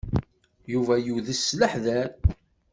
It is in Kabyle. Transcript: Yuba yudes s leḥder.